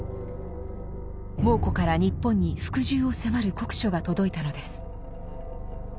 蒙古から日本に服従を迫る国書が届いたのです。